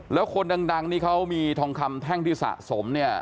แล้วคนดังนี่เขามีทองคำแท่งที่สะสมเนี่ย